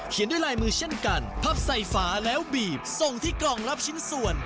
ด้วยลายมือเช่นกันพับใส่ฝาแล้วบีบส่งที่กล่องรับชิ้นส่วน